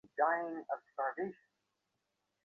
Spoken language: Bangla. আরে, আর কতো প্যাঁচ খুলবে তোর সিনেমার, মিমি?